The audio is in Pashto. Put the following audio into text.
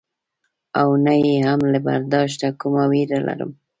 او نه یې هم له برداشته کومه وېره لرم.